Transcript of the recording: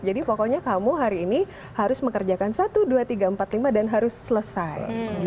jadi pokoknya kamu hari ini harus mekerjakan satu dua tiga empat lima dan harus selesai